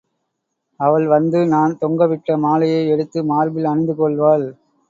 அவள் வந்து நான் தொங்கவிட்ட மாலையை எடுத்து மார்பில் அணிந்து கொள்வாள்.